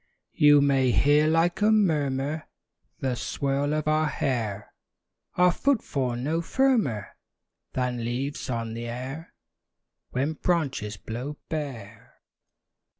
You may hear, like a murmur, The swirl of our hair; Our footfall; no firmer Than leaves on the air When branches blow bare.